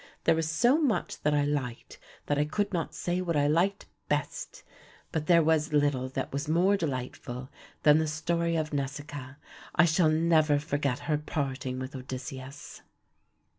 There was so much that I liked that I could not say what I liked best, but there was little that was more delightful than the story of Nausikaa. I shall never forget her parting with Odysseus.